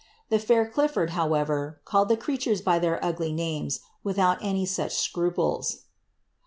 The fair Cliflbrd, however, called the creatures by their ugly names, without any such scruples.